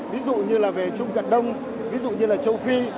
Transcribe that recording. ví dụ như trung cận đông ví dụ như châu phi